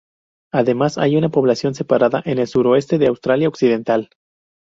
Además hay una población separada en el suroeste de Australia Occidental.